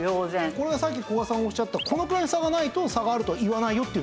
これはさっき古賀さんがおっしゃったこのくらいの差がないと差があるとは言わないよっていう